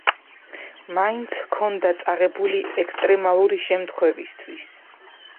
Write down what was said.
მაინც ჰქონდა წაღებული ექსტრემალური შემთხვევისთვის.